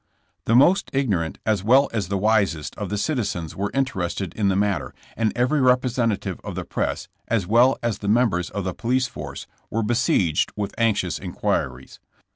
The most ignorant as well as the wisest of the citi zens were interested in the matter, and every repre sentative of the press, as well as the members of the police force, were besieged with anxious inquiries.